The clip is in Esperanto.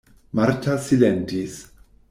Marta silentis.